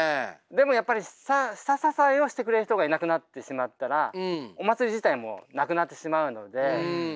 でもやっぱり下支えをしてくれる人がいなくなってしまったらお祭り自体もなくなってしまうので。